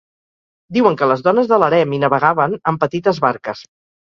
Diuen que les dones de l'harem hi navegaven amb petites barques.